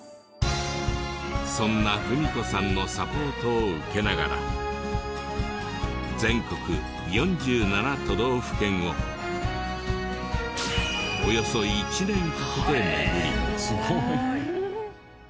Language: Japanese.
そんな文子さんのサポートを受けながら全国４７都道府県をおよそ１年かけて巡り。